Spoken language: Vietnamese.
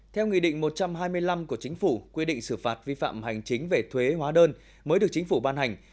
theo nghị định một trăm hai mươi năm của chính phủ quy định xử phạt vi phạm hành chính về thuế hóa đơn mới được chính phủ ban hành